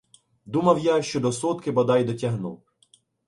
— Думав я, що до сотки бодай дотягну.